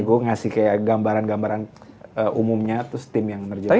gue ngasih kayak gambaran gambaran umumnya terus tim yang menerjemahkan